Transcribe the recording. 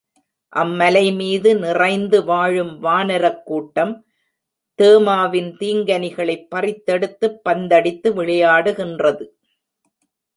அம் மலைமீது நிறைந்து வாழும் வானரக் கூட்டம் தேமாவின் தீங்கனிகளைப் பறித்தெடுத்துப் பந்தடித்து விளையாடுகின்றது.